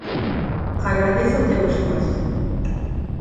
Agradezo o teu esforzo